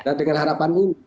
dan dengan harapan ini